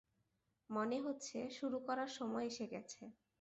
মনে হচ্ছে শুরু করার সময় এসে গেছে।